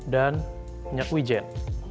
dan minyak wijen